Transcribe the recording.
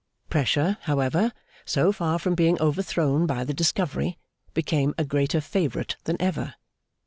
Pressure, however, so far from being overthrown by the discovery, became a greater favourite than ever.